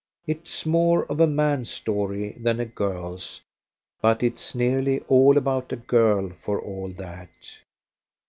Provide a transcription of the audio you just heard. It's more of a man's story than a girl's, but it is nearly all about a girl for all that."